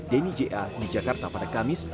denny ja di jakarta pada kamis